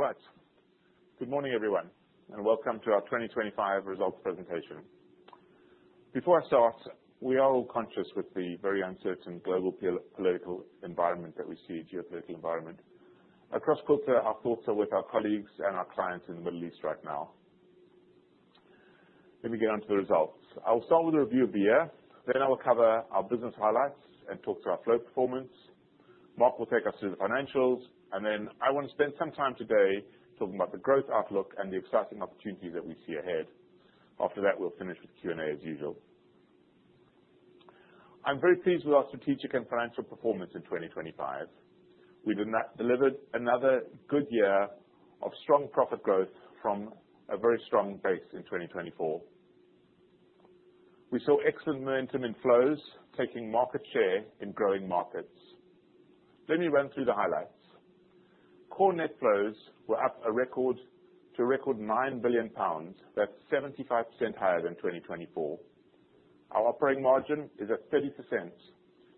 All right. Good morning, everyone, welcome to our 2025 results presentation. Before I start, we are all conscious with the very uncertain global political environment that we see, geopolitical environment. Across Quilter, our thoughts are with our colleagues and our clients in the Middle East right now. Let me get on to the results. I will start with a review of the year, I will cover our business highlights and talk through our flow performance. Mark will take us through the financials, I want to spend some time today talking about the growth outlook and the exciting opportunities that we see ahead. After that, we'll finish with Q&A as usual. I'm very pleased with our strategic and financial performance in 2025. We delivered another good year of strong profit growth from a very strong base in 2024. We saw excellent momentum in flows, taking market share in growing markets. Let me run through the highlights. Core net flows were up a record to a record 9 billion pounds. That's 75% higher than 2024. Our operating margin is at 30%,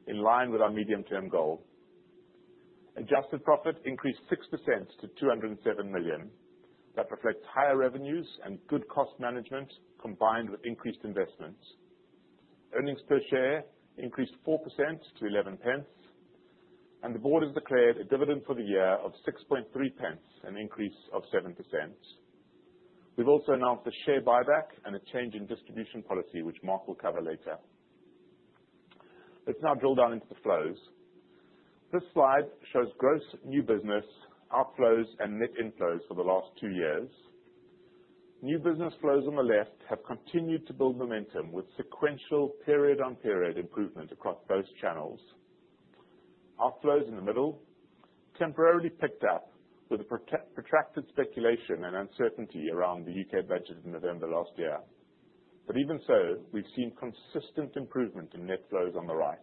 in line with our medium term goal. Adjusted profit increased 6% to 207 million. That reflects higher revenues and good cost management combined with increased investments. Earnings per share increased 4% to 0.11. The board has declared a dividend for the year of 0.063, an increase of 7%. We've also announced a share buyback and a change in distribution policy, which Mark will cover later. Let's now drill down into the flows. This slide shows gross new business outflows and net inflows for the last two years. New business flows on the left have continued to build momentum with sequential period-on-period improvement across both channels. Outflows in the middle temporarily picked up with the protracted speculation and uncertainty around the U.K. budget in November last year. Even so, we've seen consistent improvement in net flows on the right.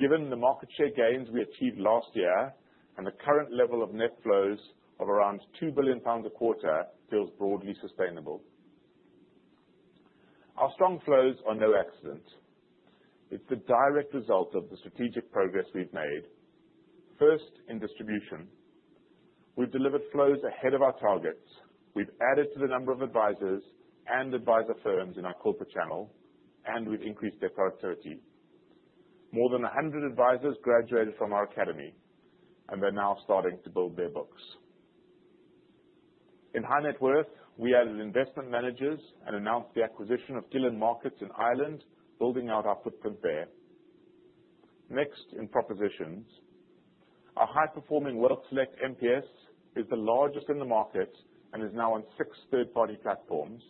Given the market share gains we achieved last year and the current level of net flows of around 2 billion pounds a quarter feels broadly sustainable. Our strong flows are no accident. It's the direct result of the strategic progress we've made. First, in distribution. We've delivered flows ahead of our targets. We've added to the number of advisors and advisor firms in our corporate channel, and we've increased their productivity. More than 100 advisors graduated from our Academy, and they're now starting to build their books. In High Net Worth, we added investment managers and announced the acquisition of GillenMarkets in Ireland, building out our footprint there. Next, in propositions. Our high-performing WealthSelect MPS is the largest in the market and is now on six third-party platforms.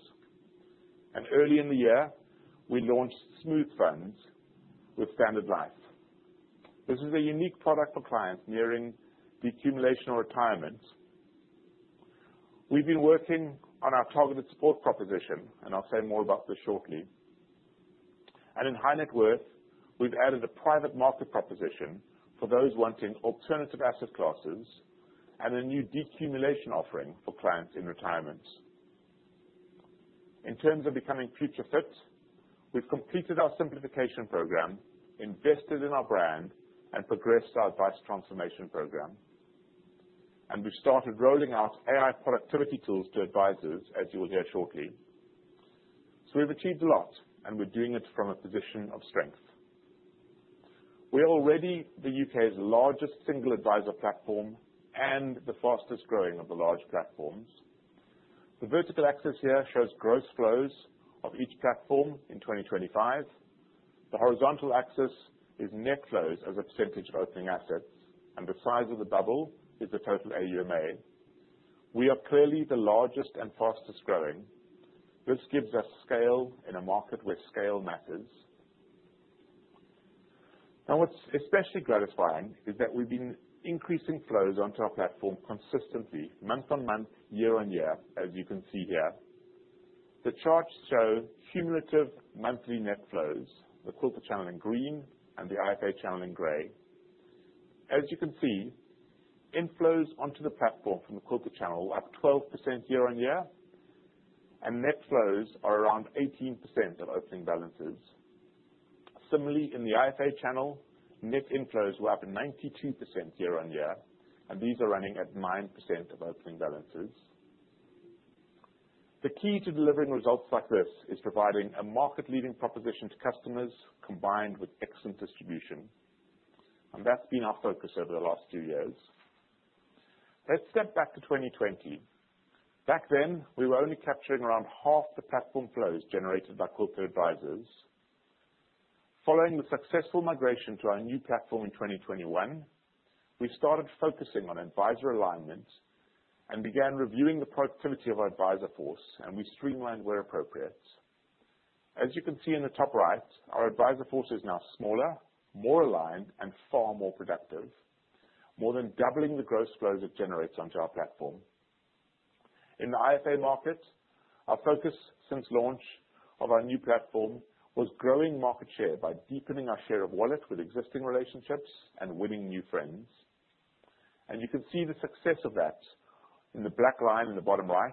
Early in the year, we launched Smoothed Funds with Standard Life. This is a unique product for clients nearing the accumulation of retirement. We've been working on our targeted support proposition, and I'll say more about this shortly. In High Net Worth, we've added a private market proposition for those wanting alternative asset classes and a new decumulation offering for clients in retirement. In terms of becoming future fit, we've completed our Simplification program, invested in our brand, and progressed our advice transformation program. We've started rolling out AI productivity tools to advisors, as you will hear shortly. We've achieved a lot, and we're doing it from a position of strength. We're already the U.K.'s largest single advisor platform and the fastest growing of the large platforms. The vertical axis here shows gross flows of each platform in 2025. The horizontal axis is net flows as a percentage of opening assets. The size of the bubble is the total AUMA. We are clearly the largest and fastest growing. This gives us scale in a market where scale matters. What's especially gratifying is that we've been increasing flows onto our platform consistently month-on-month, year-on-year, as you can see here. The charts show cumulative monthly net flows, the corporate channel in green and the IFA channel in gray. As you can see, inflows onto the platform from the corporate channel were up 12% year-on-year, and net flows are around 18% of opening balances. Similarly, in the IFA channel, net inflows were up 92% year-on-year, and these are running at 9% of opening balances. The key to delivering results like this is providing a market-leading proposition to customers combined with excellent distribution. That's been our focus over the last two years. Let's step back to 2020. Back then, we were only capturing around half the platform flows generated by corporate advisors. Following the successful migration to our new platform in 2021, we started focusing on advisor alignment and began reviewing the productivity of our advisor force, we streamlined where appropriate. As you can see in the top right, our advisor force is now smaller, more aligned, and far more productive, more than doubling the gross flows it generates onto our platform. In the IFA markets, our focus since launch of our new platform was growing market share by deepening our share of wallet with existing relationships and winning new friends. You can see the success of that in the black line in the bottom right,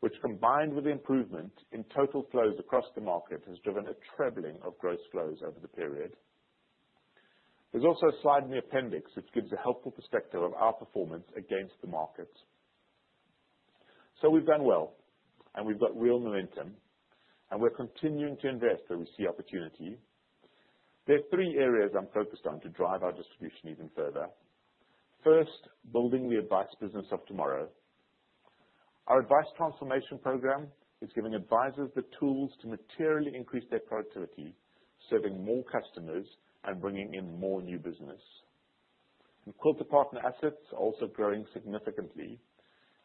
which combined with the improvement in total flows across the market, has driven a trebling of gross flows over the period. There's also a slide in the appendix which gives a helpful perspective of our performance against the markets. We've done well, and we've got real momentum, and we're continuing to invest where we see opportunity. There are three areas I'm focused on to drive our distribution even further. Building the advice business of tomorrow. Our advice transformation program is giving advisors the tools to materially increase their productivity, serving more customers and bringing in more new business. Quilter Partner assets are also growing significantly,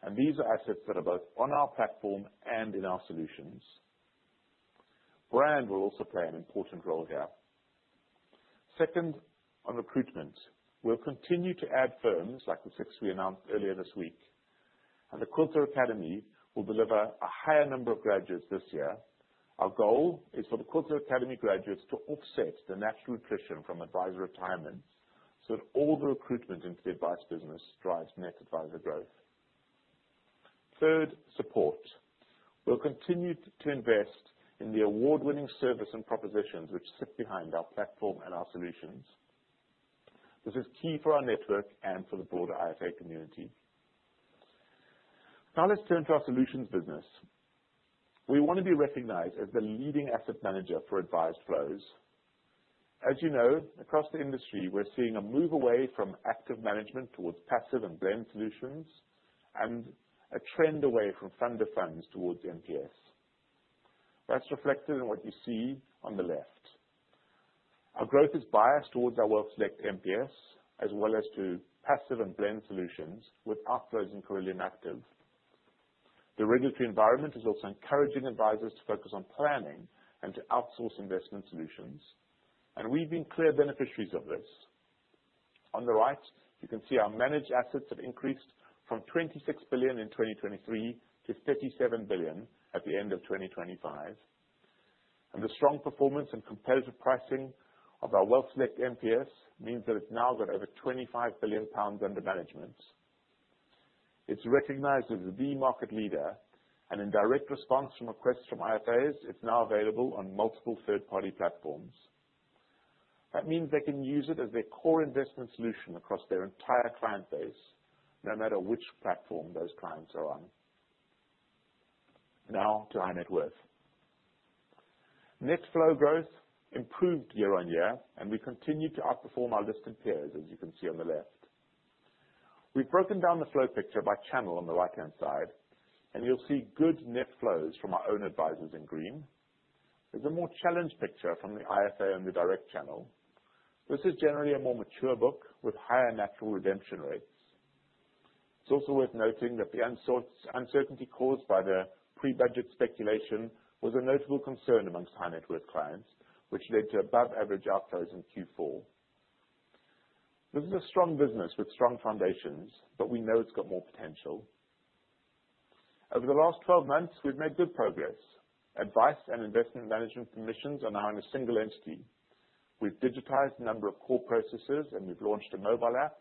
and these are assets that are both on our platform and in our solutions. Brand will also play an important role here. Second, on recruitment. We'll continue to add firms like the six we announced earlier this week. The Quilter Academy will deliver a higher number of graduates this year. Our goal is for the Quilter Academy graduates to offset the natural attrition from advisor retirement, so that all the recruitment into the advice business drives net advisor growth. Support. We'll continue to invest in the award-winning service and propositions which sit behind our platform and our solutions. This is key for our network and for the broader IFA community. Now let's turn to our solutions business. We wanna be recognized as the leading asset manager for advice flows. As you know, across the industry, we're seeing a move away from active management towards passive and blend solutions, and a trend away from fund of funds towards MPS. That's reflected in what you see on the left. Our growth is biased towards our WealthSelect MPS, as well as to passive and blend solutions with outflows in Cirilium Active. The regulatory environment is also encouraging advisors to focus on planning and to outsource investment solutions, and we've been clear beneficiaries of this. On the right, you can see our managed assets have increased from 26 billion in 2023 to 37 billion at the end of 2025. The strong performance and competitive pricing of our WealthSelect MPS means that it's now got over 25 billion pounds under management. It's recognized as the market leader and in direct response from requests from IFAs, it's now available on multiple third-party platforms. That means they can use it as their core investment solution across their entire client base, no matter which platform those clients are on. Now to High Net Worth. Net flow growth improved year-on-year, and we continued to outperform our listed peers, as you can see on the left. We've broken down the flow picture by channel on the right-hand side, and you'll see good net flows from our own advisors in green. There's a more challenged picture from the IFA and the direct channel. This is generally a more mature book with higher natural redemption rates. It's also worth noting that the uncertainty caused by the pre-budget speculation was a notable concern amongst High Net Worth clients, which led to above average outflows in Q4. This is a strong business with strong foundations, but we know it's got more potential. Over the last 12 months, we've made good progress. Advice and investment management commissions are now in a single entity. We've digitized a number of core processes, and we've launched a mobile app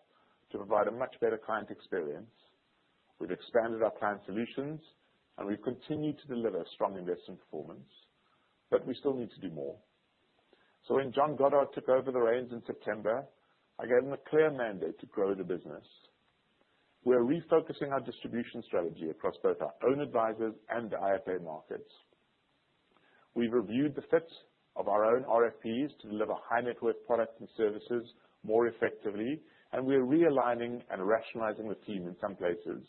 to provide a much better client experience. We've expanded our plan solutions, and we've continued to deliver strong investment performance, but we still need to do more. When John Goddard took over the reins in September, I gave him a clear mandate to grow the business. We're refocusing our distribution strategy across both our own advisors and the IFA markets. We've reviewed the fit of our own RFPs to deliver High Net Worth products and services more effectively, and we are realigning and rationalizing the team in some places.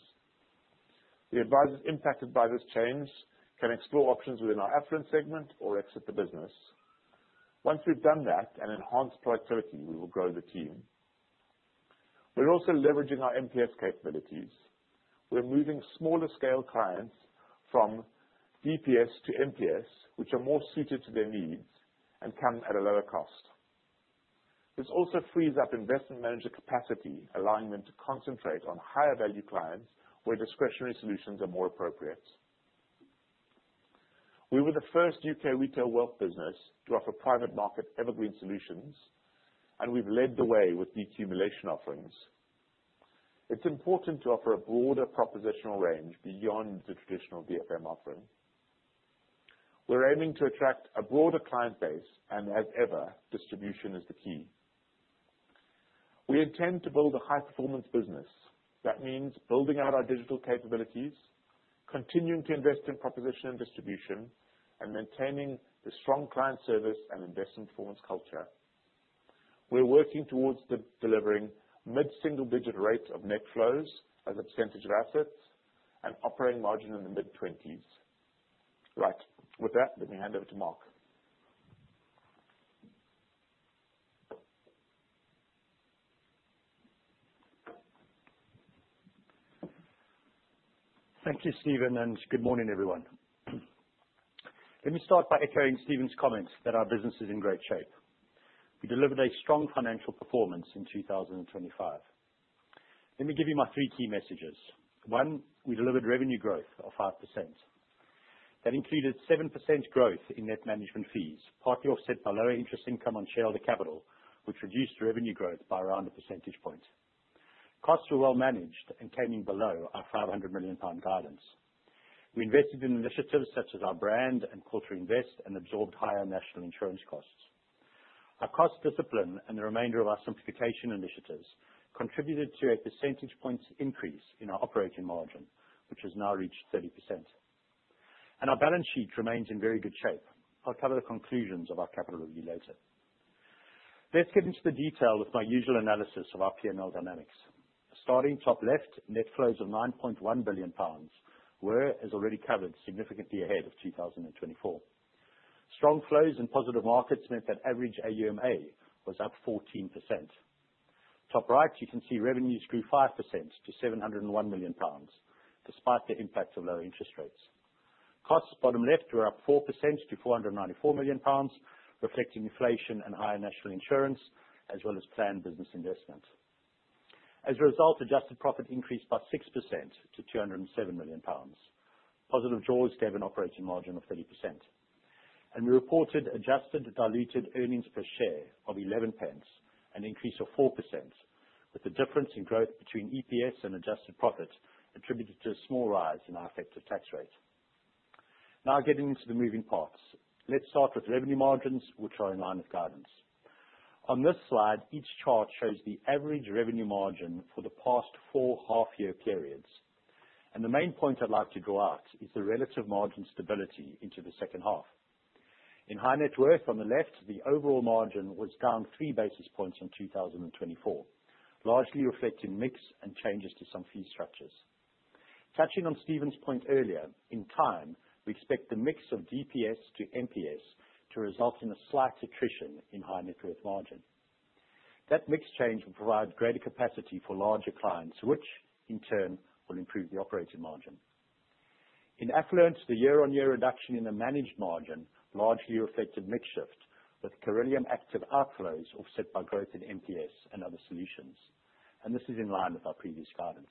The advisors impacted by this change can explore options within our Affluent segment or exit the business. Once we've done that and enhanced productivity, we will grow the team. We're also leveraging our MPS capabilities. We're moving smaller scale clients from DPS to MPS, which are more suited to their needs and come at a lower cost. This also frees up investment manager capacity, allowing them to concentrate on higher-value clients where discretionary solutions are more appropriate. We were the first U.K. retail wealth business to offer private market evergreen solutions, and we've led the way with the accumulation offerings. It's important to offer a broader propositional range beyond the traditional VFM offering. We're aiming to attract a broader client base, and as ever, distribution is the key. We intend to build a high-performance business. That means building out our digital capabilities, continuing to invest in proposition and distribution, and maintaining the strong client service and investment performance culture. We're working towards delivering mid-single-digit rates of net flows as a percentage of assets and operating margin in the mid-20s. Right. With that, let me hand over to Mark. Thank you, Steven. Good morning, everyone. Let me start by echoing Steven's comments that our business is in great shape. We delivered a strong financial performance in 2025. Let me give you my three key messages. One, we delivered revenue growth of 5%. That included 7% growth in net management fees, partly offset by lower interest income on shareholder capital, which reduced revenue growth by around 1 percentage point. Costs were well managed and came in below our 500 million pound guidance. We invested in initiatives such as our brand and Quilter Invest and absorbed higher National Insurance costs. Our cost discipline and the remainder of our Simplification initiatives contributed to 1 percentage points increase in our operating margin, which has now reached 30%. Our balance sheet remains in very good shape. I'll cover the conclusions of our capital review later. Let's get into the detail of my usual analysis of our P&L dynamics. Starting top left, net flows of 9.1 billion pounds were, as already covered, significantly ahead of 2024. Strong flows and positive markets meant that average AUMA was up 14%. Top right, you can see revenues grew 5% to 701 million pounds, despite the impact of lower interest rates. Costs, bottom left, were up 4% to 494 million pounds, reflecting inflation and higher national insurance, as well as planned business investment. As a result, adjusted profit increased by 6% to 207 million pounds. Positive draws gave an operating margin of 30%. We reported adjusted diluted earnings per share of 0.11, an increase of 4%, with the difference in growth between EPS and adjusted profit attributed to a small rise in our effective tax rate. Getting into the moving parts. Let's start with revenue margins, which are in line with guidance. On this slide, each chart shows the average revenue margin for the past four half-year periods. The main point I'd like to draw out is the relative margin stability into the second half. In High Net Worth on the left, the overall margin was down 3 basis points in 2024, largely reflecting mix and changes to some fee structures. Touching on Steven's point earlier, in time, we expect the mix of DPS to MPS to result in a slight attrition in High Net Worth margin. That mix change will provide greater capacity for larger clients, which in turn will improve the operating margin. In affluence, the year-on-year reduction in the managed margin largely affected mix shift, with Cirilium Active outflows offset by growth in MPS and other solutions. This is in line with our previous guidance.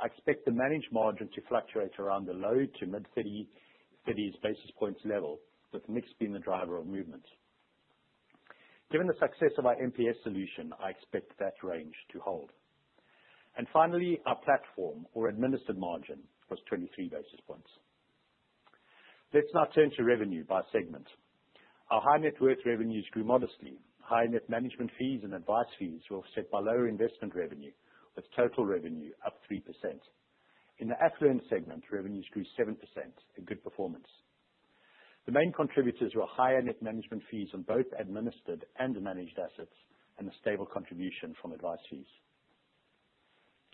I expect the managed margin to fluctuate around the low to mid 30s basis points level, with mix being the driver of movement. Given the success of our MPS solution, I expect that range to hold. Finally, our platform or administered margin was 23 basis points. Let's now turn to revenue by segment. Our High Net Worth revenues grew modestly. High net management fees and advice fees were offset by lower investment revenue, with total revenue up 3%. In the Affluent segment, revenues grew 7%, a good performance. The main contributors were higher net management fees on both administered and managed assets and a stable contribution from advice fees.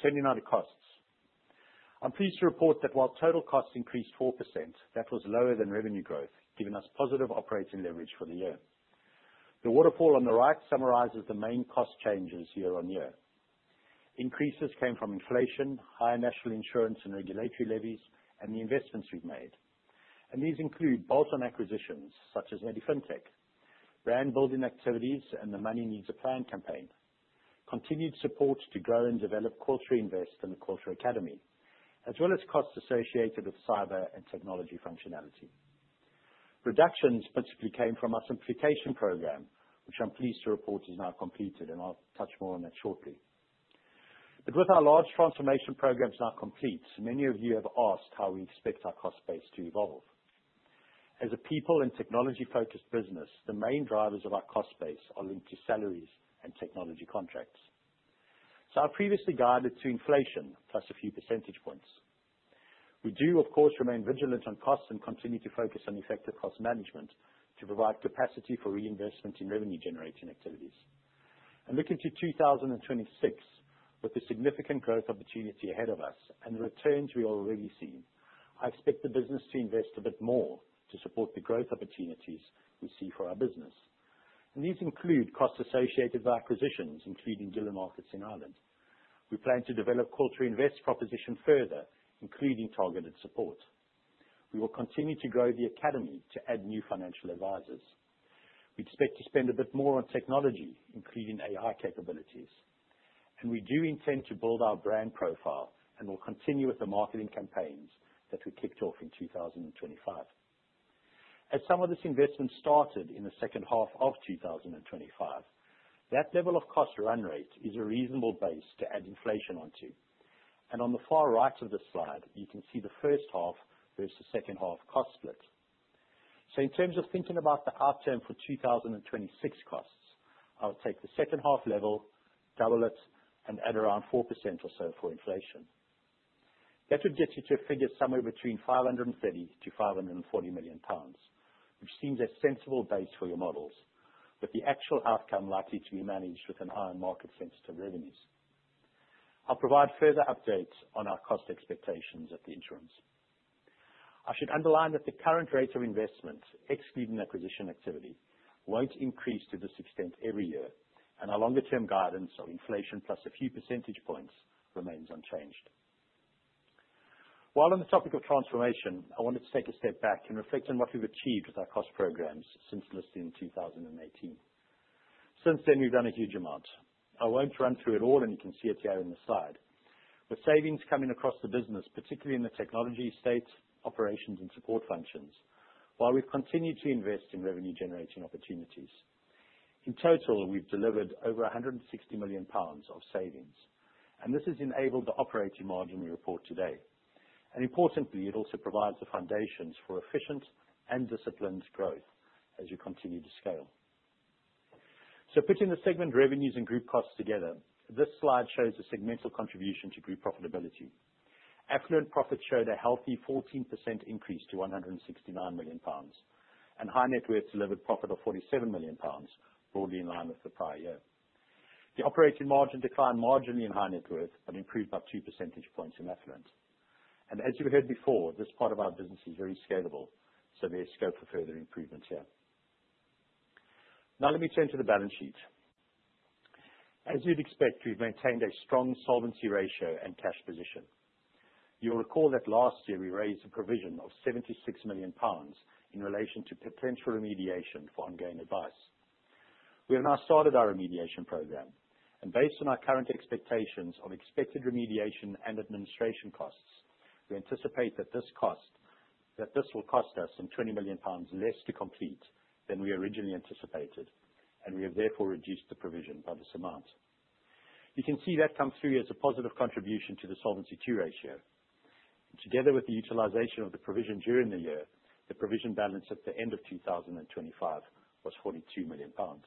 Turning now to costs. I'm pleased to report that while total costs increased 4%, that was lower than revenue growth, giving us positive operating leverage for the year. The waterfall on the right summarizes the main cost changes year-over-year. Increases came from inflation, higher National Insurance and regulatory levies, and the investments we've made. These include bolt-on acquisitions such as MediFintech, brand building activities, and the Money needs a plan campaign, continued support to grow and develop Quilter Invest and the Quilter Academy, as well as costs associated with cyber and technology functionality. Reductions basically came from our Simplification program, which I'm pleased to report is now completed, and I'll touch more on that shortly. With our large transformation programs now complete, many of you have asked how we expect our cost base to evolve. As a people and technology-focused business, the main drivers of our cost base are linked to salaries and technology contracts. I previously guided to inflation plus a few percentage points. We do, of course, remain vigilant on costs and continue to focus on effective cost management to provide capacity for reinvestment in revenue-generating activities. Looking to 2026, with the significant growth opportunity ahead of us and the returns we already see, I expect the business to invest a bit more to support the growth opportunities we see for our business. These include costs associated with acquisitions, including GillenMarkets in Ireland. We plan to develop Quilter Invest proposition further, including targeted support. We will continue to grow the Academy to add new financial advisors. We expect to spend a bit more on technology, including AI capabilities. We do intend to build our brand profile, and we'll continue with the marketing campaigns that we kicked off in 2025. As some of this investment started in the second half of 2025, that level of cost run rate is a reasonable base to add inflation onto. On the far right of the slide, you can see the first half versus second half cost split. In terms of thinking about the half-term for 2026 costs, I'll take the second half level, double it, and add around 4% or so for inflation. That would get you to a figure somewhere between 530 million-540 million pounds, which seems a sensible base for your models, with the actual outcome likely to be managed with an eye on market-sensitive revenues. I'll provide further updates on our cost expectations at the insurance. I should underline that the current rate of investment, excluding acquisition activity, won't increase to this extent every year, and our longer-term guidance of inflation plus a few percentage points remains unchanged. While on the topic of transformation, I wanted to take a step back and reflect on what we've achieved with our cost programs since listing in 2018. Since then, we've done a huge amount. I won't run through it all, and you can see it here on the slide. With savings coming across the business, particularly in the technology state, operations, and support functions, while we've continued to invest in revenue-generating opportunities. In total, we've delivered over 160 million pounds of savings, and this has enabled the operating margin we report today. Importantly, it also provides the foundations for efficient and disciplined growth as we continue to scale. Putting the segment revenues and group costs together, this slide shows the segmental contribution to group profitability. Affluent profits showed a healthy 14% increase to 169 million pounds. High Net Worth delivered profit of 47 million pounds, broadly in line with the prior year. The operating margin declined marginally in High Net Worth and improved by 2 percentage points in Affluent. As you heard before, this part of our business is very scalable, so there's scope for further improvements here. Now let me turn to the balance sheet. As you'd expect, we've maintained a strong solvency ratio and cash position. You'll recall that last year we raised a provision of 76 million pounds in relation to potential remediation for ongoing advice. We have now started our remediation program and based on our current expectations of expected remediation and administration costs, we anticipate that this will cost us some 20 million pounds less to complete than we originally anticipated, and we have therefore reduced the provision by this amount. You can see that come through as a positive contribution to the Solvency II ratio. Together with the utilization of the provision during the year, the provision balance at the end of 2025 was 42 million pounds.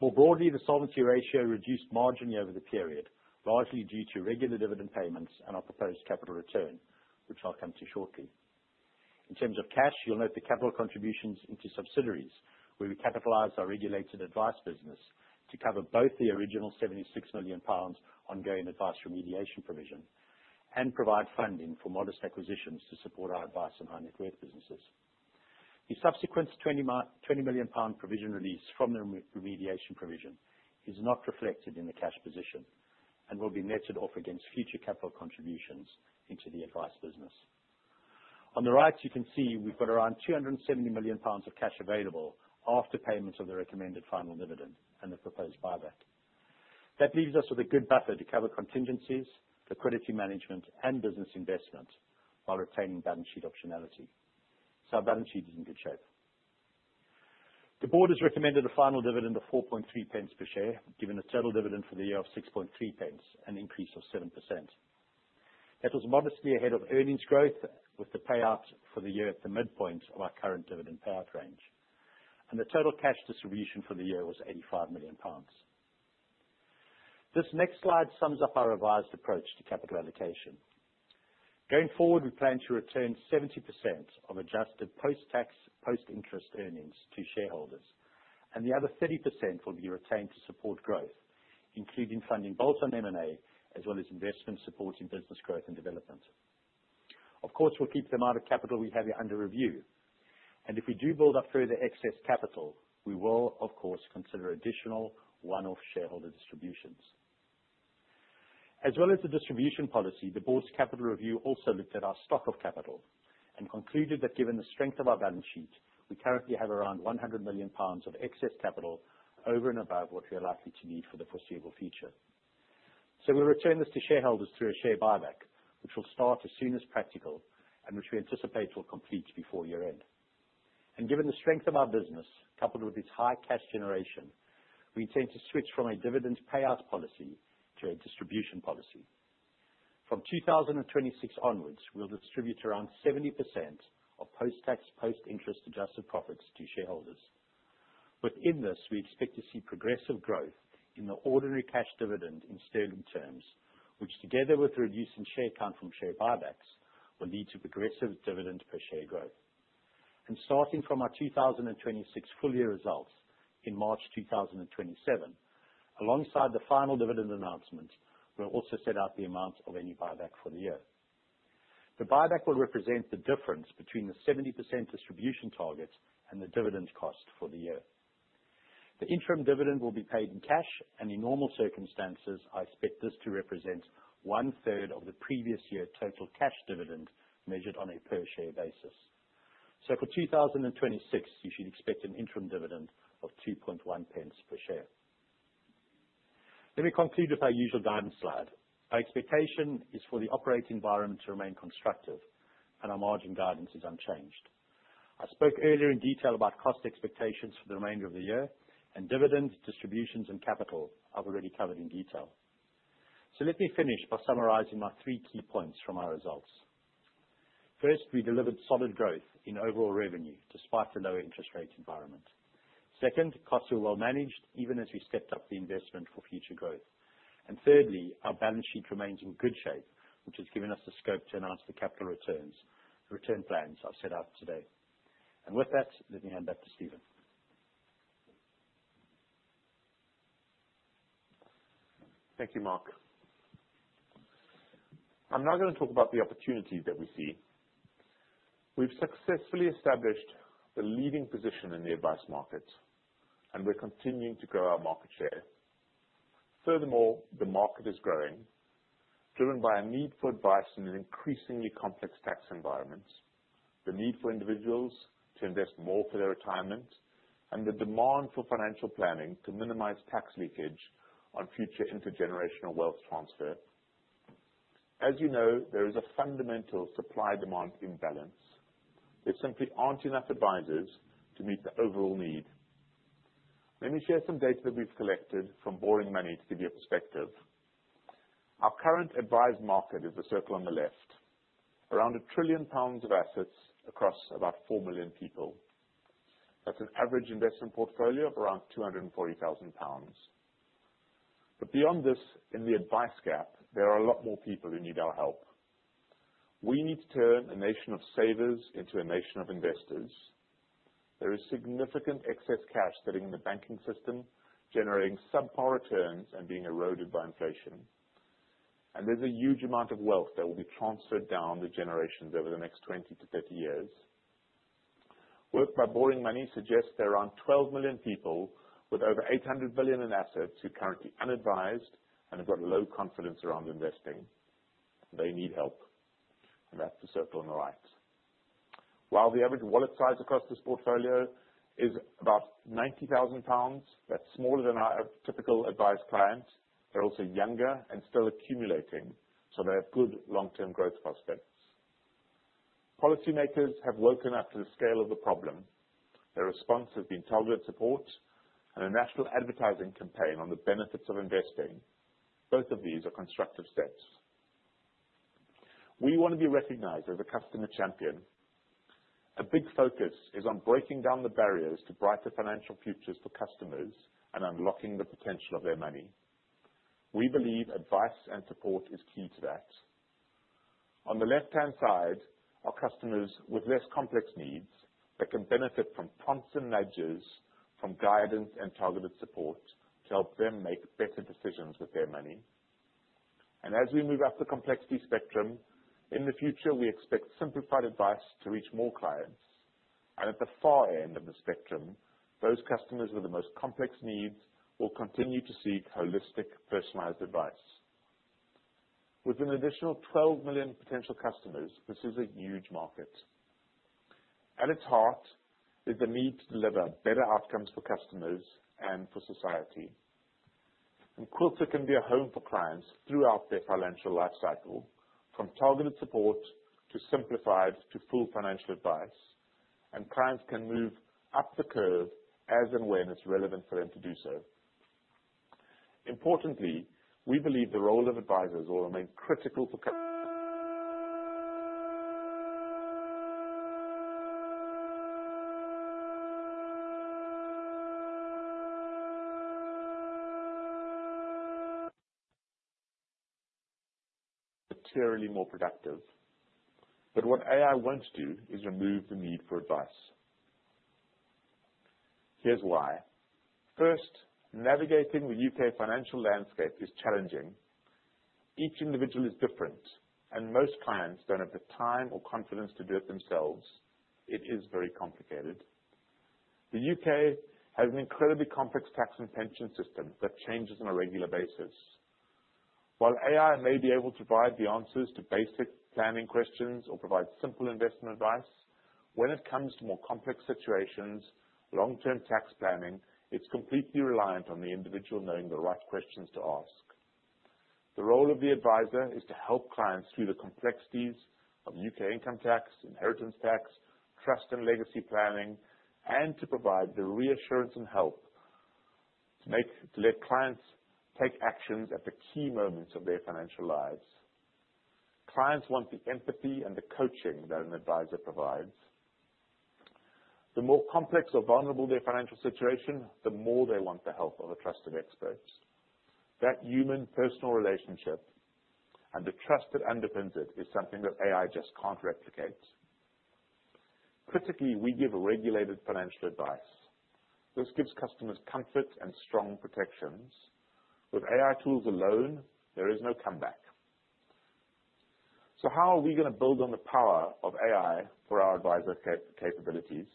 The solvency ratio reduced marginally over the period, largely due to regular dividend payments and our proposed capital return, which I'll come to shortly. In terms of cash, you'll note the capital contributions into subsidiaries, where we capitalized our regulated advice business to cover both the original 76 million pounds ongoing advice remediation provision and provide funding for modest acquisitions to support our advice and High Net Worth businesses. The subsequent 20 million pound provision release from the remediation provision is not reflected in the cash position and will be netted off against future capital contributions into the advice business. On the right you can see we've got around 270 million pounds of cash available after payments of the recommended final dividend and the proposed buyback. That leaves us with a good buffer to cover contingencies, liquidity management, and business investment while retaining balance sheet optionality. Our balance sheet is in good shape. The board has recommended a final dividend of 0.043 per share, giving a total dividend for the year of 0.063, an increase of 7%. That was modestly ahead of earnings growth with the payout for the year at the midpoint of our current dividend payout range. The total cash distribution for the year was 85 million pounds. This next slide sums up our revised approach to capital allocation. Going forward, we plan to return 70% of adjusted post-tax, post-interest earnings to shareholders, and the other 30% will be retained to support growth, including funding both on M&A, as well as investment support in business growth and development. Of course, we'll keep the amount of capital we have under review, and if we do build up further excess capital, we will of course consider additional one-off shareholder distributions. As well as the distribution policy, the board's capital review also looked at our stock of capital and concluded that given the strength of our balance sheet, we currently have around 100 million pounds of excess capital over and above what we are likely to need for the foreseeable future. We'll return this to shareholders through a share buyback, which will start as soon as practical and which we anticipate will complete before year-end. Given the strength of our business, coupled with its high cash generation, we intend to switch from a dividend payout policy to a distribution policy. From 2026 onwards, we'll distribute around 70% of post-tax, post-interest adjusted profits to shareholders. Within this, we expect to see progressive growth in the ordinary cash dividend in sterling terms, which together with the reducing share count from share buybacks, will lead to progressive dividend per share growth. Starting from our 2026 full year results in March 2027, alongside the final dividend announcement, we'll also set out the amount of any buyback for the year. The buyback will represent the difference between the 70% distribution target and the dividend cost for the year. The interim dividend will be paid in cash, and in normal circumstances, I expect this to represent 1/3 of the previous year total cash dividend measured on a per share basis. For 2026, you should expect an interim dividend of 0.021 Pence per share. Let me conclude with our usual guidance slide. Our expectation is for the operating environment to remain constructive and our margin guidance is unchanged. I spoke earlier in detail about cost expectations for the remainder of the year and dividend distributions and capital I've already covered in detail. Let me finish by summarizing my three key points from our results. First, we delivered solid growth in overall revenue despite the low interest rate environment. Second, costs are well managed even as we stepped up the investment for future growth. Thirdly, our balance sheet remains in good shape, which has given us the scope to announce the capital returns, the return plans I've set out today. With that, let me hand back to Steven. Thank you, Mark. I'm now gonna talk about the opportunities that we see. We've successfully established a leading position in the advice market, and we're continuing to grow our market share. Furthermore, the market is growing, driven by a need for advice in an increasingly complex tax environment. The need for individuals to invest more for their retirement and the demand for financial planning to minimize tax leakage on future intergenerational wealth transfer. As you know, there is a fundamental supply-demand imbalance. There simply aren't enough advisors to meet the overall need. Let me share some data that we've collected from Boring Money to give you perspective. Our current advised market is the circle on the left, around 1 trillion pounds of assets across about 4 million people. That's an average investment portfolio of around 240,000 pounds. Beyond this, in "The Advice Gap," there are a lot more people who need our help. We need to turn a nation of savers into a nation of investors. There is significant excess cash sitting in the banking system, generating subpar returns and being eroded by inflation. There's a huge amount of wealth that will be transferred down the generations over the next 20-30 years. Work by Boring Money suggests there are around 12 million people with over 800 billion in assets who are currently unadvised and have got low confidence around investing. They need help, and that's the circle on the right. While the average wallet size across this portfolio is about 90,000 pounds, that's smaller than our typical advised client. They're also younger and still accumulating, so they have good long-term growth prospects. Policy makers have woken up to the scale of the problem. Their response has been targeted support and a national advertising campaign on the benefits of investing. Both of these are constructive steps. We wanna be recognized as a customer champion. A big focus is on breaking down the barriers to brighter financial futures for customers and unlocking the potential of their money. We believe advice and support is key to that. On the left-hand side are customers with less complex needs that can benefit from prompts and nudges, from guidance and targeted support to help them make better decisions with their money. As we move up the complexity spectrum, in the future, we expect simplified advice to reach more clients. At the far end of the spectrum, those customers with the most complex needs will continue to seek holistic, personalized advice. With an additional 12 million potential customers, this is a huge market. At its heart is the need to deliver better outcomes for customers and for society. Quilter can be a home for clients throughout their financial life cycle, from targeted support to simplified to full financial advice. Clients can move up the curve as and when it's relevant for them to do so. Importantly, we believe the role of advisors will remain critical for materially more productive. What AI won't do is remove the need for advice. Here's why. First, navigating the U.K. financial landscape is challenging. Each individual is different, and most clients don't have the time or confidence to do it themselves. It is very complicated. The U.K. has an incredibly complex tax and pension system that changes on a regular basis. While AI may be able to provide the answers to basic planning questions or provide simple investment advice, when it comes to more complex situations, long-term tax planning, it's completely reliant on the individual knowing the right questions to ask. The role of the advisor is to help clients through the complexities of U.K. income tax, inheritance tax, trust and legacy planning, and to provide the reassurance and help to let clients take actions at the key moments of their financial lives. Clients want the empathy and the coaching that an advisor provides. The more complex or vulnerable their financial situation, the more they want the help of a trusted expert. That human personal relationship and the trust that underpins it is something that AI just can't replicate. Critically, we give a regulated financial advice. This gives customers comfort and strong protections. With AI tools alone, there is no comeback. How are we gonna build on the power of AI for our advisor capabilities?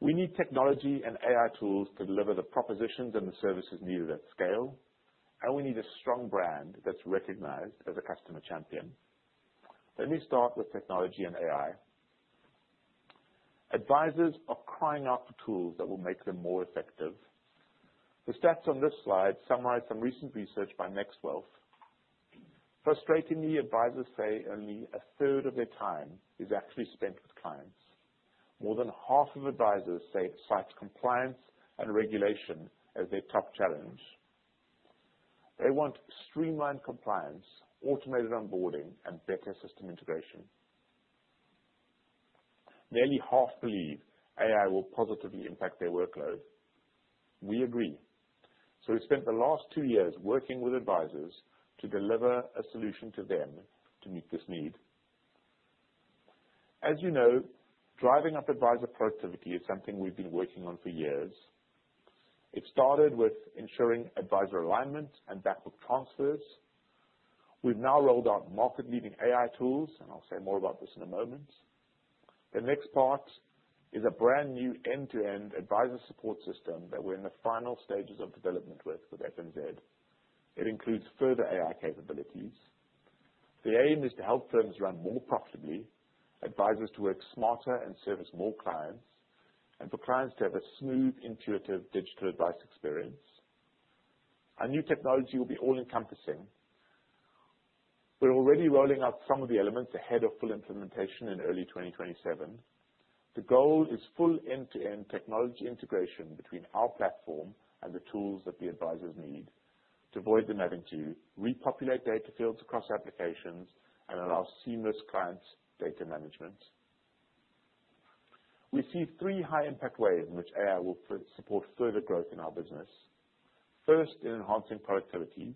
We need technology and AI tools to deliver the propositions and the services needed at scale. We need a strong brand that's recognized as a customer champion. Let me start with technology and AI. Advisors are crying out for tools that will make them more effective. The stats on this slide summarize some recent research by NextWealth. Frustratingly, advisors say only a third of their time is actually spent with clients. More than half of advisors cite compliance and regulation as their top challenge. They want streamlined compliance, automated onboarding, and better system integration. Nearly half believe AI will positively impact their workload. We agree. We've spent the last two years working with advisors to deliver a solution to them to meet this need. As you know, driving up advisor productivity is something we've been working on for years. It started with ensuring advisor alignment and back-up transfers. We've now rolled out market-leading AI tools, and I'll say more about this in a moment. The next part is a brand new end-to-end advisor support system that we're in the final stages of development with FNZ. It includes further AI capabilities. The aim is to help firms run more profitably, advisors to work smarter and service more clients, and for clients to have a smooth, intuitive digital advice experience. Our new technology will be all-encompassing. We're already rolling out some of the elements ahead of full implementation in early 2027. The goal is full end-to-end technology integration between our platform and the tools that the advisors need to avoid them having to repopulate data fields across applications and allow seamless client data management. We see three high-impact ways in which AI will support further growth in our business. First, in enhancing productivity.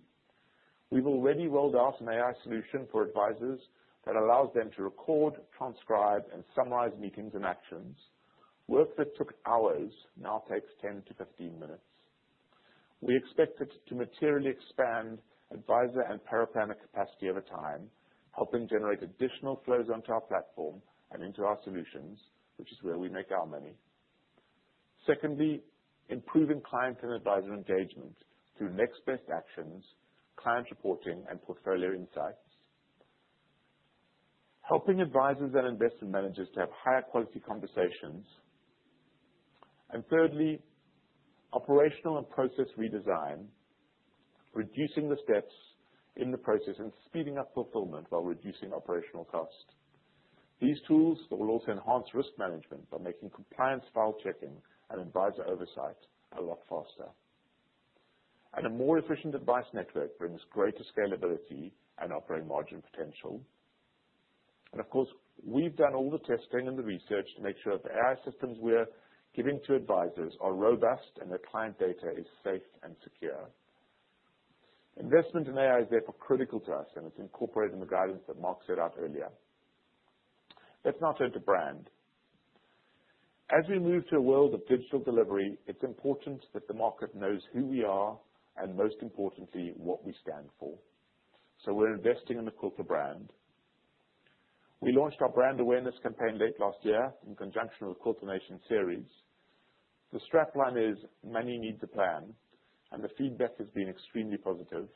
We've already rolled out an AI solution for advisors that allows them to record, transcribe, and summarize meetings and actions. Work that took hours now takes 10-15 minutes. We expect it to materially expand advisor and paraplanner capacity over time, helping generate additional flows onto our platform and into our solutions, which is where we make our money. Secondly, improving client and advisor engagement through next best actions, client reporting, and portfolio insights. Helping advisors and investment managers to have higher quality conversations. Thirdly, operational and process redesign, reducing the steps in the process and speeding up fulfillment while reducing operational costs. These tools will also enhance risk management by making compliance file checking and advisor oversight a lot faster. A more efficient advice network brings greater scalability and operating margin potential. Of course, we've done all the testing and the research to make sure the AI systems we're giving to advisors are robust and their client data is safe and secure. Investment in AI is therefore critical to us, and it's incorporated in the guidance that Mark set out earlier. Let's now turn to brand. As we move to a world of digital delivery, it's important that the market knows who we are, and most importantly, what we stand for. We're investing in the Quilter brand. We launched our brand awareness campaign late last year in conjunction with the Quilter Nations Series. The strapline is, "Money needs a plan," the feedback has been extremely positive.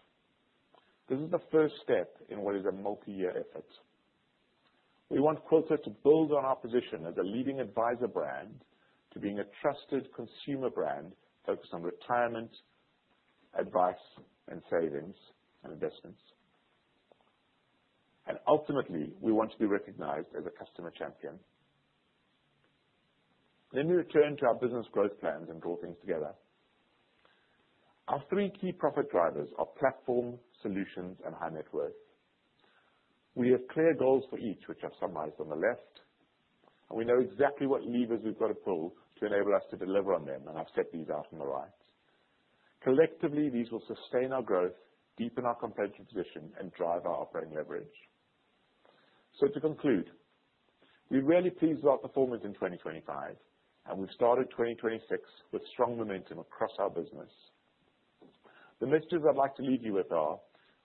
This is the first step in what is a multi-year effort. We want Quilter to build on our position as a leading advisor brand to being a trusted consumer brand focused on retirement, advice, and savings, and investments. Ultimately, we want to be recognized as a customer champion. Let me return to our business growth plans and draw things together. Our three key profit drivers are platform, solutions, and High Net Worth. We have clear goals for each, which I've summarized on the left, we know exactly what levers we've got to pull to enable us to deliver on them, I've set these out on the right. Collectively, these will sustain our growth, deepen our competitive position, and drive our operating leverage. To conclude, we're really pleased with our performance in 2025, and we've started 2026 with strong momentum across our business. The messages I'd like to leave you with are: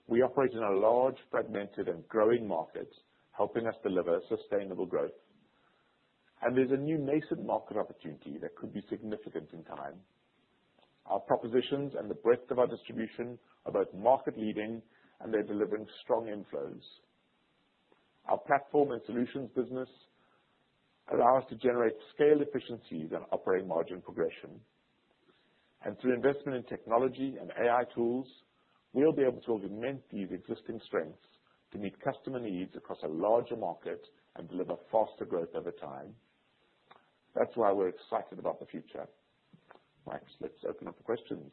We operate in a large fragmented and growing market, helping us deliver sustainable growth. There's a new nascent market opportunity that could be significant in time. Our propositions and the breadth of our distribution are both market-leading, and they're delivering strong inflows. Our platform and solutions business allow us to generate scale efficiencies and operating margin progression. Through investment in technology and AI tools, we'll be able to augment these existing strengths to meet customer needs across a larger market and deliver faster growth over time. That's why we're excited about the future. Thanks. Let's open up for questions.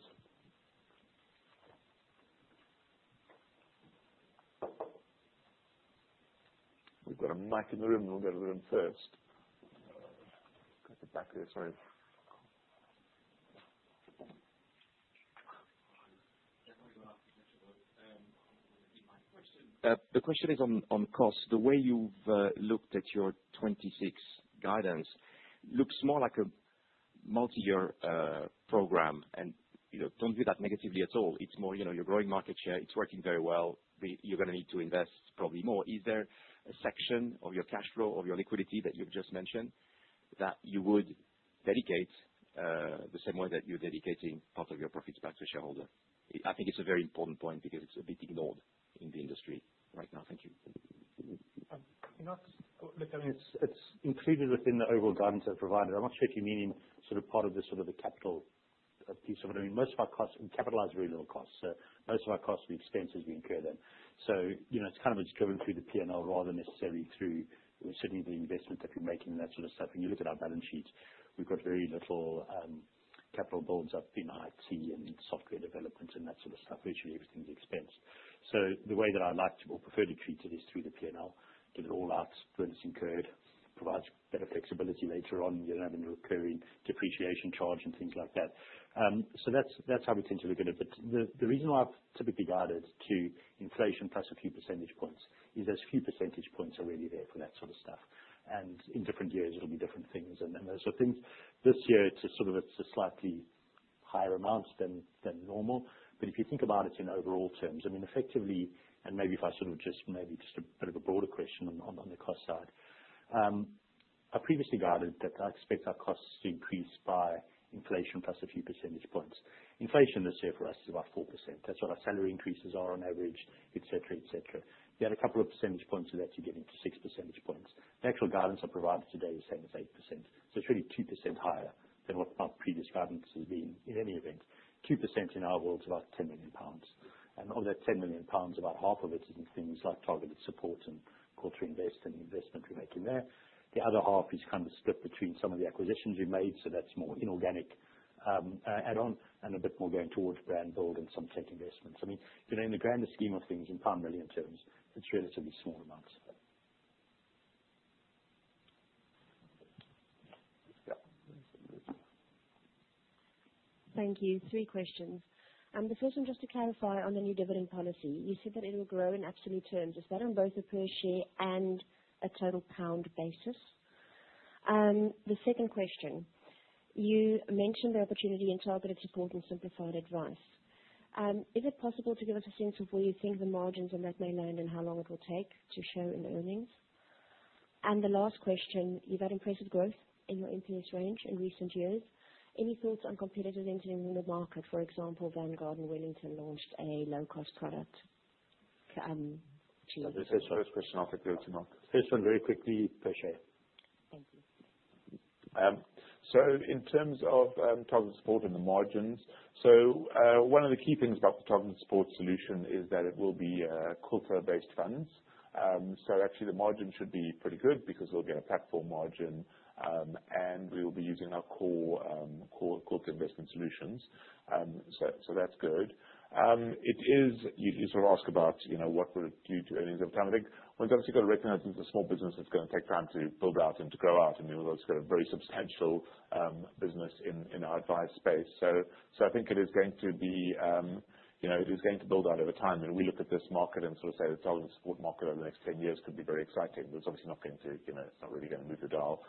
We've got a mic in the room. We'll go to the room first. At the back there, sorry. The question is on cost. The way you've looked at your 2026 guidance looks more like a multi-year program. You know, don't view that negatively at all. It's more, you know, you're growing market share. It's working very well. You're gonna need to invest probably more. Is there a section of your cash flow or your liquidity that you've just mentioned that you would dedicate, the same way that you're dedicating part of your profits back to shareholder? I think it's a very important point because it's a bit ignored in the industry right now. Thank you. You know, it's, look, I mean, it's included within the overall guidance I've provided. I'm not sure if you mean sort of part of the sort of the capital piece of it. I mean, most of our costs, we capitalize very little costs. Most of our costs, we expense as we incur them. You know, it's kind of it's driven through the P&L rather than necessarily through certainly the investments that we're making, that sort of stuff. When you look at our balance sheets, we've got very little capital builds up in IT and software development and that sort of stuff. Usually, everything's expense. The way that I like to or prefer to treat it is through the P&L, get it all out when it's incurred, provides better flexibility later on. You don't have any recurring depreciation charge and things like that. That's how we tend to look at it. The reason why I've typically guided to inflation plus a few percentage points is those few percentage points are really there for that sort of stuff. In different years. Things, then there's the things this year, it's a sort of, it's a slightly higher amount than normal. If you think about it in overall terms, I mean, effectively, and maybe if I sort of just a bit of a broader question on the cost side. I previously guided that I expect our costs to increase by inflation plus a few percentage points. Inflation this year for us is about 4%. That's what our salary increases are on average, et cetera, et cetera. We had a couple of percentage points of that to get into 6 percentage points. The actual guidance I provided today is saying it's 8%. It's really 2% higher than what my previous guidance has been. In any event, 2% in our world is about 10 million pounds. Of that 10 million pounds, about half of it is in things like targeted support and Quilter Invest and the investment we make in there. The other half is kind of split between some of the acquisitions we made, so that's more inorganic add-on and a bit more going towards brand build and some tech investments. I mean, you know, in the grander scheme of things, in pound million terms, it's relatively small amounts. Thank you. Three questions. The first one just to clarify on the new dividend policy. You said that it'll grow in absolute terms. Is that on both a per share and a total pound basis? The second question, you mentioned the opportunity in targeted support and simplified advice. Is it possible to give us a sense of where you think the margins on that may land and how long it will take to show in the earnings? The last question, you've had impressive growth in your MPS range in recent years. Any thoughts on competitive entering the market? For example, Vanguard and Wellington launched a low-cost product, two years ago. Let's take the first question off and go to Mark. First one, very quickly, per share. Thank you. So in terms of targeted support and the margins, one of the key things about the targeted support solution is that it will be Quilter-based funds. Actually the margin should be pretty good because we'll get a platform margin and we will be using our core Quilter Investment solutions. That's good. It is. You sort of ask about, you know, what will it do to earnings over time. I think we've obviously got to recognize it's a small business that's gonna take time to build out and to grow out. I mean, we've also got a very substantial business in our advice space. I think it is going to be, you know, it is going to build out over time. We look at this market and sort of say the targeted support market over the next 10 years could be very exciting. It's obviously not going to, you know, it's not really gonna move the dial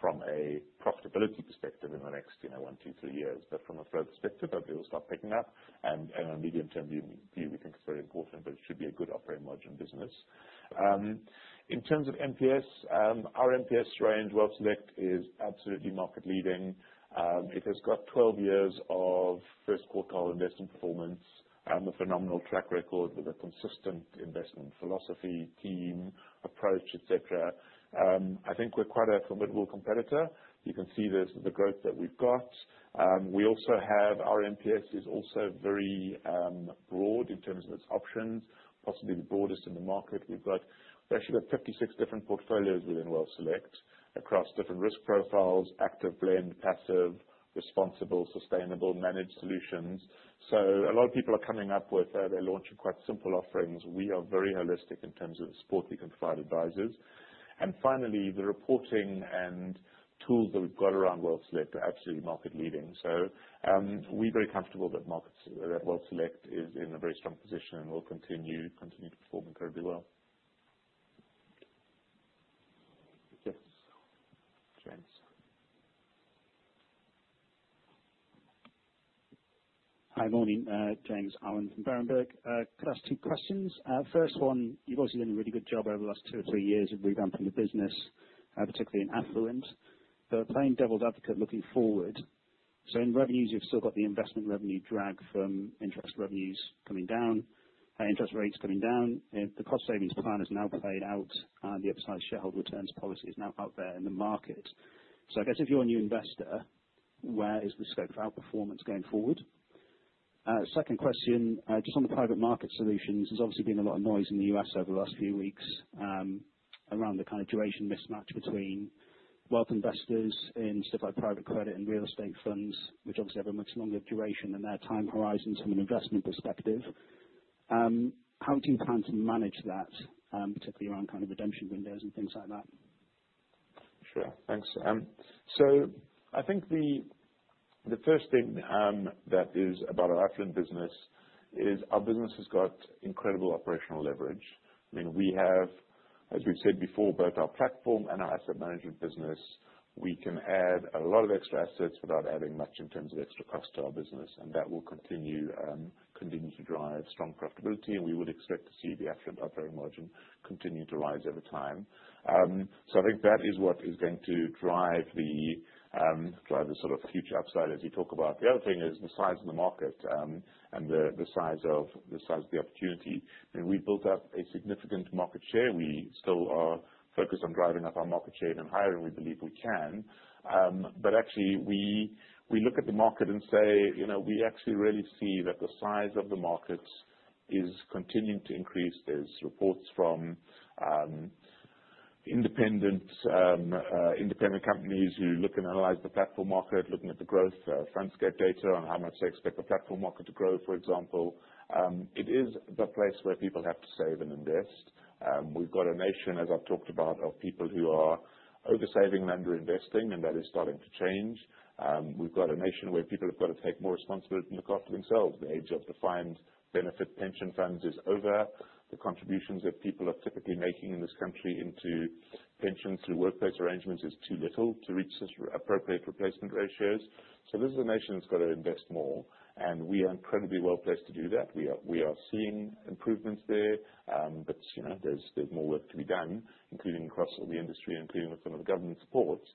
from a profitability perspective in the next, you know, one, two, three years. From a growth perspective, hopefully it'll start picking up and on a medium-term view, we think it's very important, but it should be a good operating margin business. In terms of MPS, our MPS range, WealthSelect, is absolutely market leading. It has got 12 years of first quartile investment performance, a phenomenal track record with a consistent investment philosophy, team, approach, et cetera. I think we're quite a formidable competitor. You can see this, the growth that we've got. We also have, our MPS is also very broad in terms of its options, possibly the broadest in the market. We've got, we actually have 56 different portfolios within WealthSelect across different risk profiles, active blend, passive, responsible, sustainable, managed solutions. A lot of people are coming up with, they're launching quite simple offerings. We are very holistic in terms of the support we can provide advisors. Finally, the reporting and tools that we've got around WealthSelect are absolutely market leading. We're very comfortable that WealthSelect is in a very strong position and will continue to perform incredibly well. Yes. James. Hi. Morning. James Allen from Berenberg. Could I ask two questions? First one, you've obviously done a really good job over the last two or three years of revamping the business, particularly in Affluent. Playing devil's advocate looking forward, in revenues, you've still got the investment revenue drag from interest revenues coming down, interest rates coming down. The cost savings plan is now played out. The upside shareholder returns policy is now out there in the market. I guess if you're a new investor, where is the scope for outperformance going forward? Second question, just on the private market solutions, there's obviously been a lot of noise in the U.S. over the last few weeks, around the kind of duration mismatch between wealth investors in stuff like private credit and real estate funds, which obviously have a much longer duration than their time horizons from an investment perspective. How do you plan to manage that, particularly around kind of redemption windows and things like that? Sure. Thanks. I think the first thing that is about our Affluent business is our business has got incredible operational leverage. I mean, we have, as we've said before, both our platform and our asset management business. We can add a lot of extra assets without adding much in terms of extra cost to our business, and that will continue to drive strong profitability, and we would expect to see the Affluent operating margin continue to rise over time. I think that is what is going to drive the sort of future upside as you talk about. The other thing is the size of the market and the size of the opportunity. I mean, we've built up a significant market share. We still are focused on driving up our market share even higher. We believe we can. Actually we look at the market and say, you know, we actually really see that the size of the market is continuing to increase. There's reports from independent companies who look and analyze the platform market, looking at the growth, Fundscape data on how much they expect the platform market to grow, for example. It is the place where people have to save and invest. We've got a nation, as I've talked about, of people who are over-saving and under-investing. That is starting to change. We've got a nation where people have got to take more responsibility and look after themselves. The age of defined benefit pension funds is over. The contributions that people are typically making in this country into pensions through workplace arrangements is too little to reach the appropriate replacement ratios. This is a nation that's got to invest more, and we are incredibly well-placed to do that. We are seeing improvements there. You know, there's more work to be done, including across the industry, including with some of the government supports.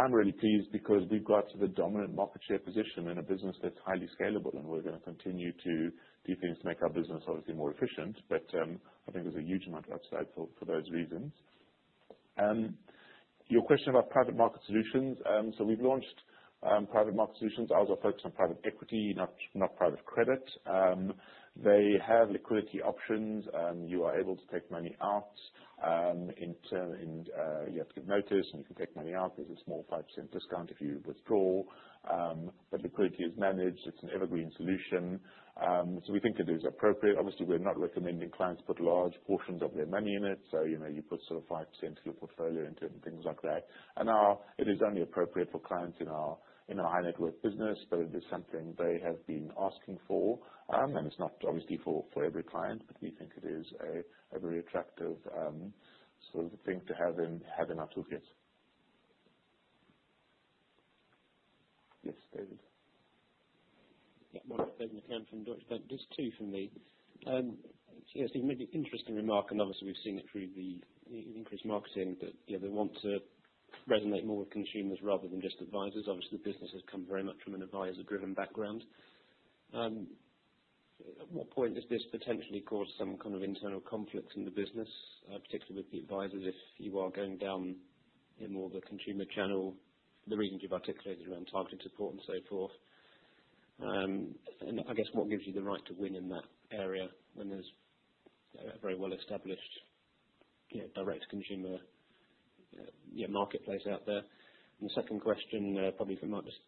I'm really pleased because we've got the dominant market share position in a business that's highly scalable, and we're gonna continue to do things to make our business obviously more efficient. I think there's a huge amount of upside for those reasons. Your question about private market solutions. We've launched private market solutions. Ours are focused on private equity, not private credit. They have liquidity options. You are able to take money out in term, you have to give notice, and you can take money out. There's a small 5% discount if you withdraw. Liquidity is managed. It's an evergreen solution. We think it is appropriate. Obviously, we're not recommending clients put large portions of their money in it, so, you know, you put sort of 5% of your portfolio into things like that. It is only appropriate for clients in our High Net Worth business, but it is something they have been asking for. It's not obviously for every client, but we think it is a very attractive sort of thing to have in our toolkit. Yes, David. David McCann from Deutsche Bank. Just two from me. You made an interesting remark, and obviously we've seen it through the increased marketing that, you know, they want to resonate more with consumers rather than just advisors. Obviously, the business has come very much from an advisor-driven background. At what point does this potentially cause some kind of internal conflicts in the business, particularly with the advisors, if you are going down in more of a consumer channel, the reasons you've articulated around targeted support and so forth? I guess what gives you the right to win in that area when there's a very well-established, you know, direct to consumer, marketplace out there? Second question, probably from more just,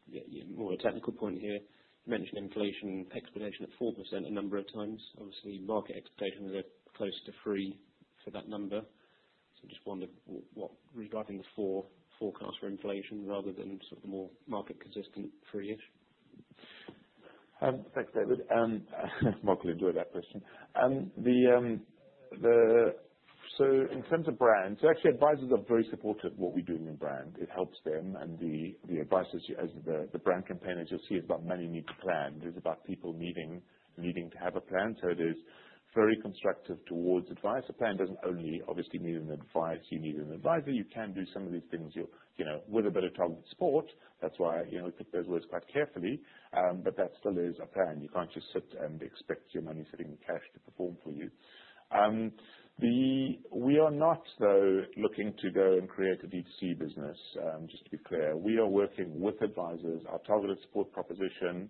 more a technical point here. You mentioned inflation explanation at 4% a number of times. Obviously, market expectations are closer to 3% for that number. Just wondered what regarding the 4% forecast for inflation rather than sort of more market consistent 3%-ish? Thanks, David. Mark will enjoy that question. In terms of brands, actually, advisors are very supportive of what we do in the brand. It helps them and the advisors. As the brand campaign, as you'll see, is about "Money needs a plan." It is about people needing to have a plan. It is very constructive towards advisor. Plan doesn't only obviously need advice. You need an advisor. You can do some of these things, you know, with a bit of targeted support. That's why, you know, we pick those words quite carefully. That still is a plan. You can't just sit and expect your money sitting in cash to perform for you. We are not, though, looking to go and create a D2C business, just to be clear. We are working with advisors. Our targeted support proposition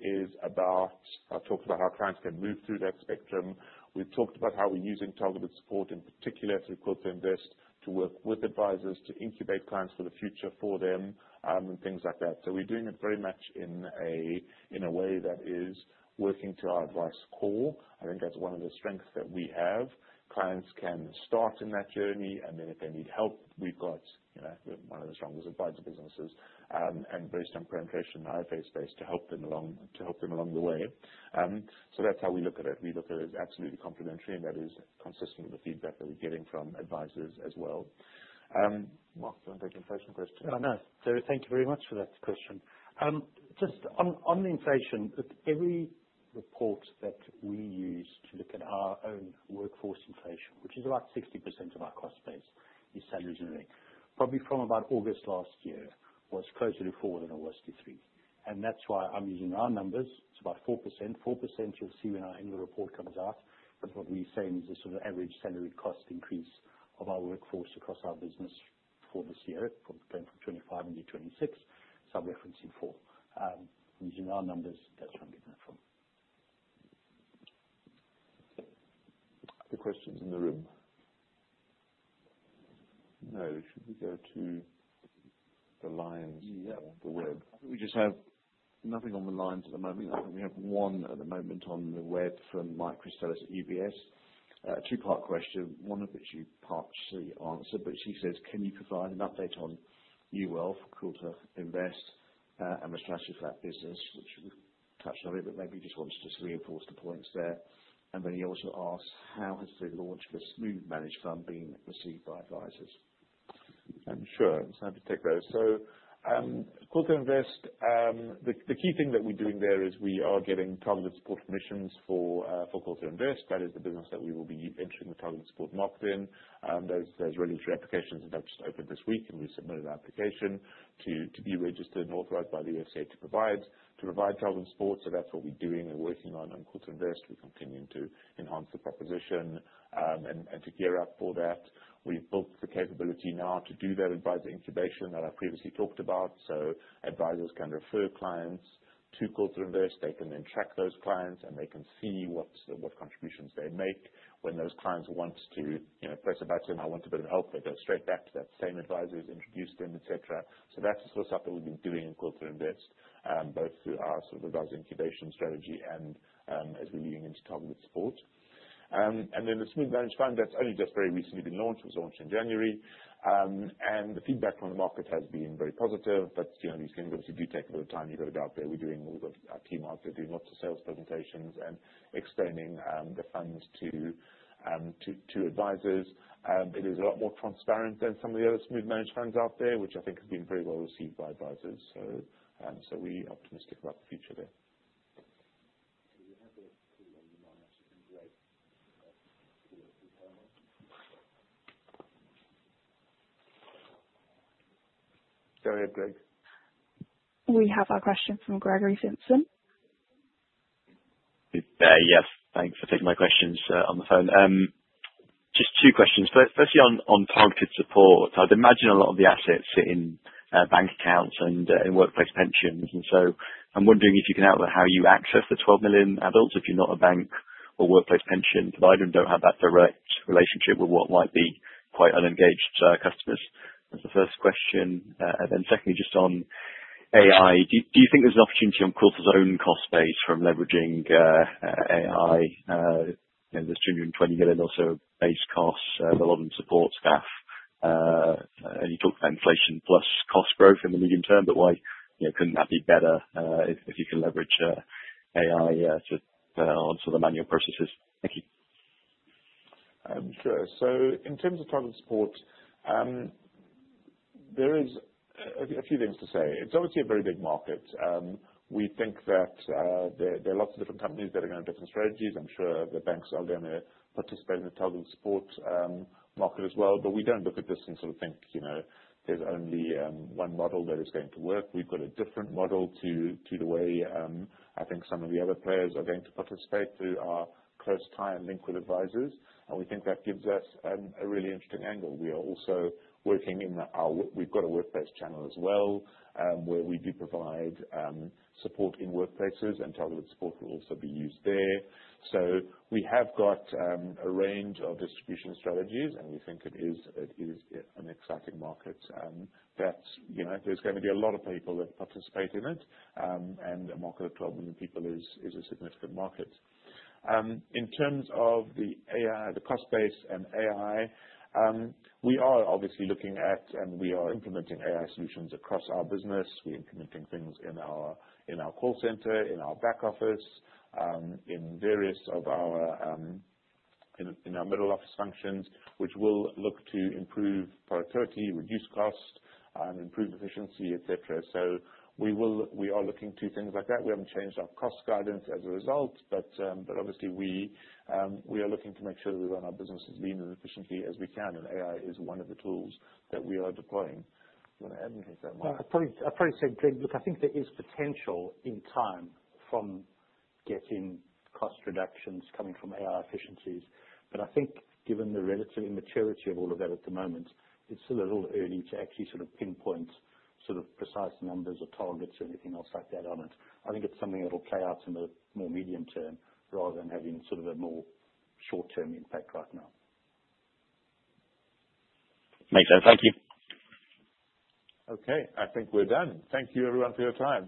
is about, I talked about how clients can move through that spectrum. We've talked about how we're using targeted support, in particular through Quilter Invest, to work with advisors to incubate clients for the future for them, and things like that. We're doing it very much in a way that is working to our advice core. I think that's one of the strengths that we have. Clients can start in that journey, and then if they need help, we've got, you know, one of the strongest advisor businesses, and based on penetration, IFAs space to help them along the way. That's how we look at it. We look at it as absolutely complementary, and that is consistent with the feedback that we're getting from advisors as well. Mark, do you wanna take the inflation question? Yeah, I know. Thank you very much for that question. just on the inflation, every report that we use to look at our own workforce inflation, which is about 60% of our cost base, is salary. Probably from about August last year was closer to 4% than it was to 3%. That's why I'm using our numbers. It's about 4%. Four percent, you'll see when our annual report comes out. What we're saying is the sort of average salary cost increase of our workforce across our business for this year, going from 2025 into 2026, so I'm referencing 4%. Using our numbers, that's where I'm getting that from. Other questions in the room? No. Should we go to the lines— Yeah. Or the web? I think we just have nothing on the lines at the moment. I think we have one at the moment on the web from Michael Christelis at UBS. A two-part question, one of which you partially answered, but he says, "Can you provide an update on NuWealth, Quilter Invest, and the strategy for that business?" We've touched on it, but maybe he just wants to reinforce the points there. He also asks, "How has the launch of the Smooth Managed Fund been received by advisors? Sure. I'm happy to take those. The key thing that we're doing there is we are giving targeted support commissions for Quilter Invest. That is the business that we will be entering the targeted support market in. Those regulatory applications, that just opened this week, and we submitted an application to be registered and authorized by the FCA to provide targeted support. That's what we're doing and working on Quilter Invest. We're continuing to enhance the proposition and to gear up for that. We've built the capability now to do that advisor incubation that I previously talked about. Advisors can refer clients to Quilter Invest. They can then track those clients, and they can see what contributions they make. When those clients want to, you know, press a button, I want a bit of help, they go straight back to that same advisor who's introduced them, et cetera. That's the sort of stuff that we've been doing in Quilter Invest, both through our sort of advisor incubation strategy and as we're leading into targeted support. The Smooth Managed Funds that's only just very recently been launched, was launched in January. The feedback from the market has been very positive. You know, these things obviously do take a bit of time. You've gotta go out there. We've got our team out there doing lots of sales presentations and extending the funds to advisors. It is a lot more transparent than some of the other smooth managed funds out there, which I think has been very well received by advisors. We optimistic about the future there. Go ahead, Greg. We have a question from Gregory Simpson. Yes. Thanks for taking my questions on the phone. Just two questions. Firstly on targeted support, I'd imagine a lot of the assets sit in bank accounts and in workplace pensions, so I'm wondering if you can help with how you access the 12 million adults if you're not a bank or workplace pension provider and don't have that direct relationship with what might be quite unengaged customers? That's the first question. Secondly, just on AI. Do you think there's an opportunity on Quilter's own cost base from leveraging AI? You know, there's 20 million or so base costs, a lot of them support staff. You talk about inflation plus cost growth in the medium term, but why, you know, couldn't that be better, if you can leverage AI to answer the manual processes? Thank you. Sure. In terms of targeted support, there is a few things to say. It's obviously a very big market. We think that there are lots of different companies that are going to different strategies. I'm sure the banks are gonna participate in the targeted support market as well. We don't look at this and sort of think, you know, there's only one model that is going to work. We've got a different model to the way I think some of the other players are going to participate through our close tie and link with advisors, and we think that gives us a really interesting angle. We are also working in our—we've got a workplace channel as well, where we do provide support in workplaces and targeted support will also be used there. We have got a range of distribution strategies, and we think it is, yeah, an exciting market that, you know, there's gonna be a lot of people that participate in it. And a market of 12 million people is a significant market. In terms of the AI, the cost base and AI, we are obviously looking at and we are implementing AI solutions across our business. We're implementing things in our call center, in our back office, in various of our, in our middle office functions, which will look to improve productivity, reduce cost, improve efficiency, et cetera. We are looking to things like that. We haven't changed our cost guidance as a result, but obviously we are looking to make sure that we run our business as lean and efficiently as we can, and AI is one of the tools that we are deploying. Do you wanna add anything to that, Mark? No, I'd probably say, Greg, look, I think there is potential in time from getting cost reductions coming from AI efficiencies, but I think given the relative immaturity of all of that at the moment, it's still a little early to actually sort of pinpoint sort of precise numbers or targets or anything else like that on it. I think it's something that'll play out in the more medium term rather than having sort of a more short term impact right now. Makes sense. Thank you. Okay, I think we're done. Thank you everyone for your time.